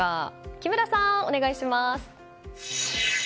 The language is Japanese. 木村さん、お願いします。